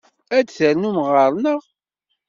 Ad d-ternum ɣer-neɣ?